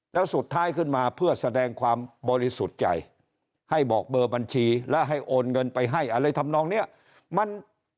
แล้วสุดท้ายขึ้นมาเพื่อแสดงความบริสุทธิ์ใจให้บอกเบอร์บัญชีและให้โอนเงินไปให้อะไรทำนองเนี่ย